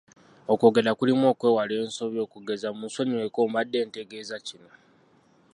Okwogera kulimu okwewala ensobi okugeza munsonyiweko mbadde ntegeeza kino.